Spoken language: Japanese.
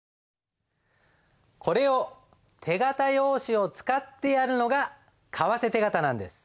これを手形用紙を使ってやるのが為替手形なんです。